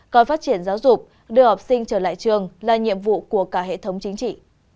coi phát triển giáo dục đưa học sinh trở lại trường là nhiệm vụ của cả hệ thống chính trị